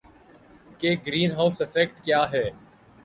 کہ greenhouse effect کیا ہے